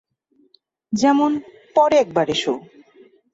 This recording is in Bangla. যেমন- পরে একবার এসো।